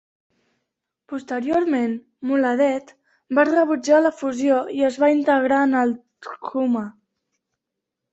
Posteriorment, Moledet va rebutjar la fusió i es va integrar en el Tkuma.